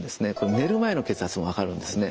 寝る前の血圧も分かるんですね。